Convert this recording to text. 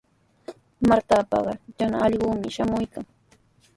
Martapa yana allqunmi shamuykan.